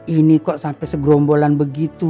ini kok sampai segerombolan begitu